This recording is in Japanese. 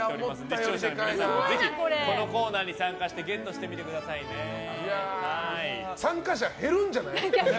視聴者の皆さんもぜひこのコーナーに参加して参加者、減るんじゃない？